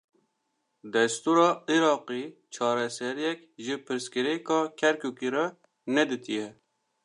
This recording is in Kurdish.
Destûra Iraqê, çareseriyek ji pirsgirêka Kerkûkê re nedîtiye